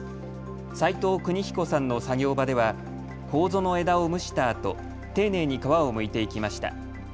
齋藤邦彦さんの作業場ではこうぞの枝を蒸したあと、丁寧に皮をむいていきました。